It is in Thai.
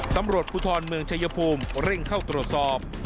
ตำรวจภูทรเมืองชายภูมิเร่งเข้าตรวจสอบ